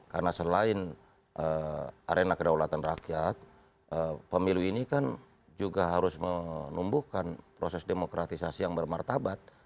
karena selain arena kedaulatan rakyat pemilu ini kan juga harus menumbuhkan proses demokratisasi yang bermartabat